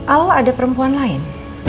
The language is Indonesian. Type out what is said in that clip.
al ada perempuan lain